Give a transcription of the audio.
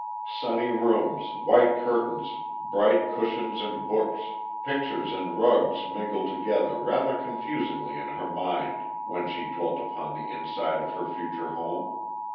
Sunny rooms, white curtains, bright cushions and books, pictures and rugs mingled together rather confusingly in her mind when she dwelt upon the inside of her future home.